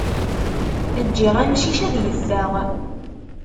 Ǧǧiɣ amcic ad yeffeɣ.